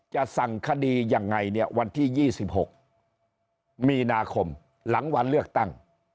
สั่งคดียังไงเนี่ยวันที่๒๖มีนาคมหลังวันเลือกตั้ง